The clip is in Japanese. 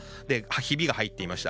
ひびが入っていました。